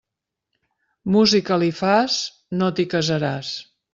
Música li fas? No t'hi casaràs.